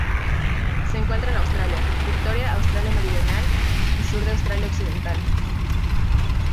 Se encuentra en Australia: Victoria, Australia Meridional y sur de Australia Occidental.